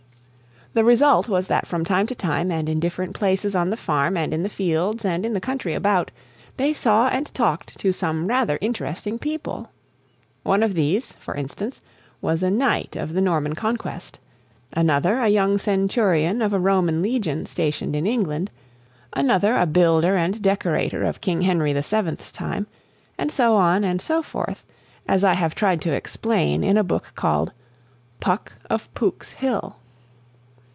The result was that from time to time, and in different places on the farm and in the fields and in the country about, they saw and talked to some rather interesting people. One of these, for instance, was a Knight of the Norman Conquest, another a young Centurion of a Roman Legion stationed in England, another a builder and decorator of King Henry VII's time; and so on and so forth; as I have tried to explain in a book called PUCK OF POOK'S HILL.